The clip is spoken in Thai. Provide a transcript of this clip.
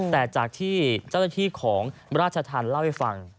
แต่จากที่เจ้าหน้าที่ของราชธรรมเล่าให้ฟัง